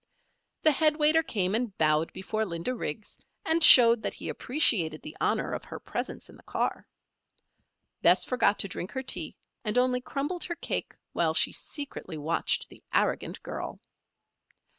The head waiter came and bowed before Linda Riggs and showed that he appreciated the honor of her presence in the car. Bess forgot to drink her tea, and only crumbled her cake while she secretly watched the arrogant girl.